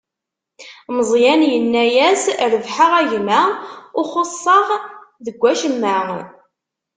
Meẓyan yenna-as: Rebḥeɣ, a gma, ur xuṣṣeɣ deg wacemma.